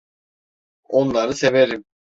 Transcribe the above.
Onları severim.